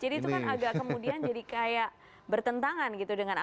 jadi itu kan agak kemudian jadi kayak bertentangan gitu dengan apa